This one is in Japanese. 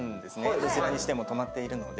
どちらにしても止まっているので。